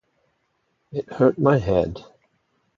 It hurt my head.